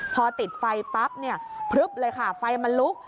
พอติดไฟปั๊บเนี่ยพลึบเลยค่ะไฟมันลุก